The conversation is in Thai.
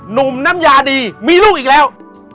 หนุ่มน้ำยาดีมีลูกอีกแล้ว